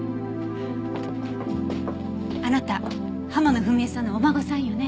あなた浜野文恵さんのお孫さんよね？